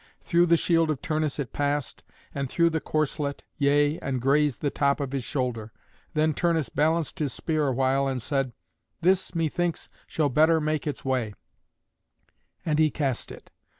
Through the shield of Turnus it passed, and through the corslet, yea, and grazed the top of his shoulder. Then Turnus balanced his spear awhile, and said, "This, methinks, shall better make its way," and he cast it.